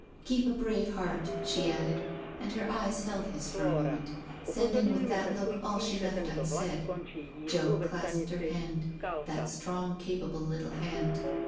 " Keep a brave heart," she added» and her eyes held his for a moment, sending with that look all she left unsaid. Joe clasped her hand, that strong, capable little hand.